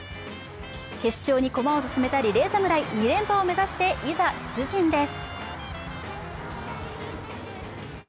決勝に駒を進めたリレー侍２連覇を目指して、いざ出陣です。